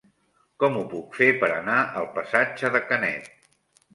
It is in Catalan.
Com ho puc fer per anar al passatge de Canet?